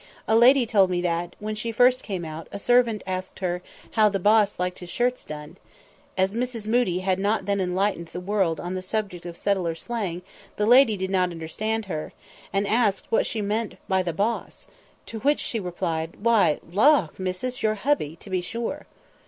A lady told me that, when she first came out, a servant asked her "How the boss liked his shirts done?" As Mrs. Moodie had not then enlightened the world on the subject of settlers' slang, the lady did not understand her, and asked what she meant by the "boss," to which she replied, "Why, lawk, missus, your hubby, to be sure."